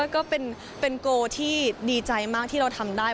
ก็เป็นโกที่ดีใจมากที่เราทำได้